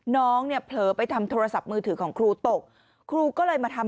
น้องเนี่ยเผลอไปทำโทรศัพท์มือถือของครูตกครูก็เลยมาทำ